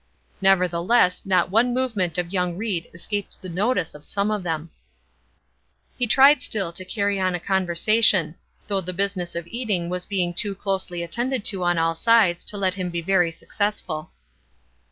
Nevertheless, not one movement of young Ried escaped the notice of some of them. He tried still to carry on a conversation; though the business of eating was being too closely attended to on all sides to let him be very successful.